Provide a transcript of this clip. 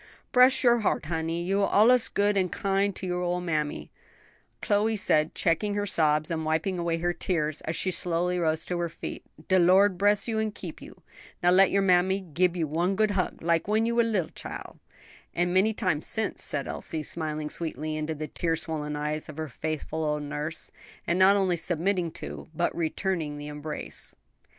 "Bress your heart, honey, you'se allus good an' kind to your ole mammy," Chloe said, checking her sobs and wiping away her tears, as she slowly rose to her feet; "de Lord bress you an' keep you. Now let your mammy gib you one good hug, like when you little chile." "And many times since," said Elsie, smiling sweetly into the tear swollen eyes of her faithful old nurse, and not only submitting to, but returning the embrace.